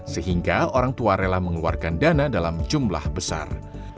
sehingga orang tua rela mengeluarkan dana dalam jumlah besar